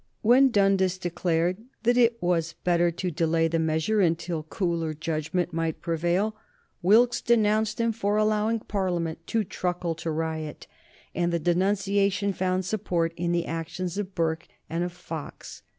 When Dundas declared that it was better to delay the measure until cooler judgment might prevail, Wilkes denounced him for allowing Parliament to truckle to riot, and the denunciation found support in the actions of Burke and of Fox.